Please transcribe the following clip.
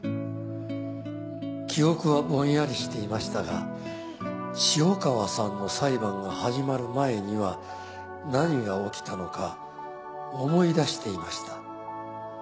「記憶はぼんやりしていましたが潮川さんの裁判が始まる前には何が起きたのか思い出していました」